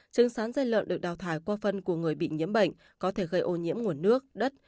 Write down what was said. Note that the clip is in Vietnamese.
trứng sán dây lợn được đào thải qua phân của người bị nhiễm bệnh có thể gây ô nhiễm nguồn nước đất